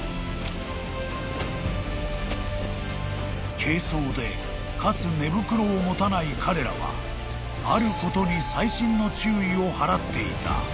［軽装でかつ寝袋を持たない彼らはあることに細心の注意を払っていた］